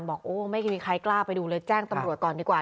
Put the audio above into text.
บอกโอ้ไม่มีใครกล้าไปดูเลยแจ้งตำรวจก่อนดีกว่า